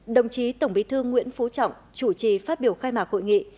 đồng chí tổng bí thư nguyễn phú trọng chủ trì phát biểu khai mạc hội nghị